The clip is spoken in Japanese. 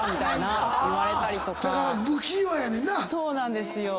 そうなんですよ。